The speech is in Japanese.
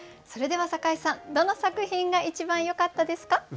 それでは酒井さんどの作品が一番よかったですか？